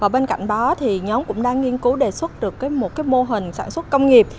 bên cạnh đó thì nhóm cũng đang nghiên cứu đề xuất được một mô hình sản xuất công nghiệp